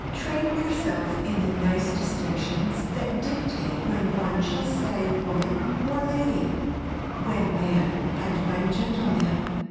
Train yourself in the nice distinctions that dictate when one shall say "woman" or "lady," when "man" and when "gentleman."